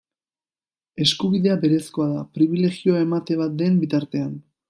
Eskubidea berezkoa da, pribilegioa emate bat den bitartean.